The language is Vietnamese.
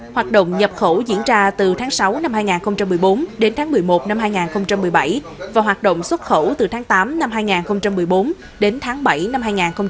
hoạt động nhập khẩu diễn ra từ tháng sáu năm hai nghìn một mươi bốn đến tháng một mươi một năm hai nghìn một mươi bảy và hoạt động xuất khẩu từ tháng tám năm hai nghìn một mươi bốn đến tháng bảy năm hai nghìn một mươi tám